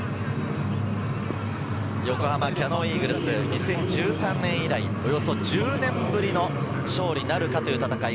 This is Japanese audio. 横浜キヤノンイーグルス、２０１３年以来、およそ１０年ぶりの勝利なるかという戦い。